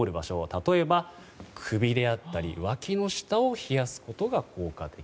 例えば、首やわきの下を冷やすことが効果的。